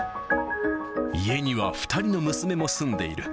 家には２人の娘も住んでいる。